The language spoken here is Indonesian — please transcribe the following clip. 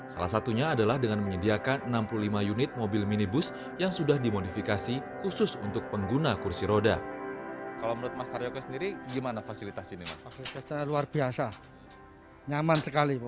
salah satunya adalah dengan menyediakan enam puluh lima unit mobil minibus yang sudah dimonitorkan